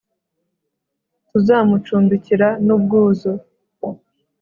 tuzamucumbikira n'ubwuzu